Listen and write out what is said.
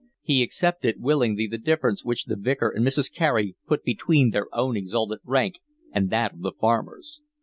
He accepted willingly the difference which the Vicar and Mrs. Carey put between their own exalted rank and that of the farmers.